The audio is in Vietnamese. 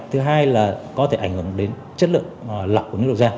thứ hai là có thể ảnh hưởng đến chất lượng lọc của nước đầu ra